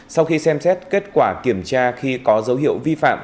sau khi xem xét kết quả kiểm tra khi có dấu hiệu vi phạm